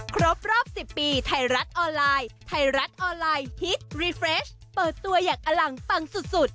ครบรอบ๑๐ปีไทยรัฐออนไลน์ไทยรัฐออนไลน์ฮิตรีเฟรชเปิดตัวอย่างอลังปังสุด